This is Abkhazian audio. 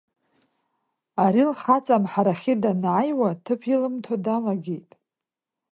Ари лхаҵа амҳарахьы данааиуа, ҭыԥ илымҭо далагит.